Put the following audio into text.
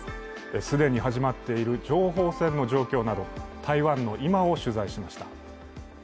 既に始まっている情報戦の状況など、台湾の今を取材しました。